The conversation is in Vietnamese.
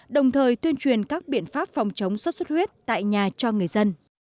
đồng thời tuyên truyền các biện pháp phòng chống xuất xuất huyết tại nhà cho người dân